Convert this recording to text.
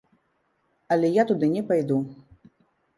Але я туды не пайду.